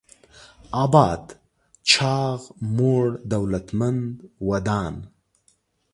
اباد: چاغ، موړ، دولتمن، ودان